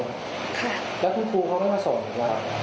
ค่ะแล้วคุณครูเขาไม่มาส่งเหรอครับ